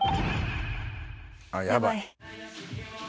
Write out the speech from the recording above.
あ、やばい。